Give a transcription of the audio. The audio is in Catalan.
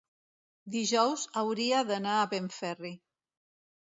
Dijous hauria d'anar a Benferri.